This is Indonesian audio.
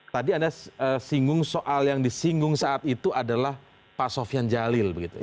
tadi anda singgung soal yang disinggung saat itu adalah pak sofian jalil